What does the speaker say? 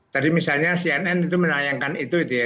tadi misalnya cnn itu menayangkan itu gitu ya